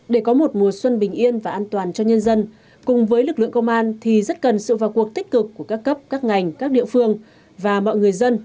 để có một mùa xuân bình yên và an toàn cho nhân dân cùng với lực lượng công an thì rất cần sự vào cuộc tích cực của các cấp các ngành các địa phương và mọi người dân